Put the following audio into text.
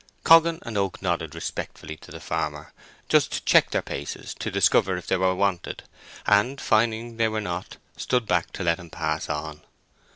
Coggan and Oak nodded respectfully to the farmer, just checked their paces to discover if they were wanted, and finding they were not stood back to let him pass on.